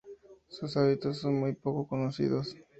Sus hábitos son muy poco conocidos.